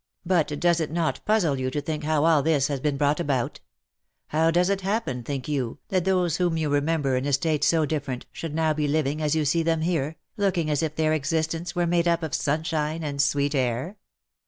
But does it not puzzle you to think how all this has been brought about ? How does it happen, think you, that those whom you remember in a state so different, should now be living as you see them here, looking as if their exist ence were made up of sunshine and sweet air